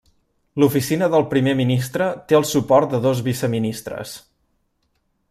L'oficina del Primer Ministre té el suport de dos viceministres.